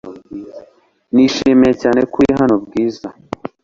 Nishimiye cyane ko uri hano, Bwiza .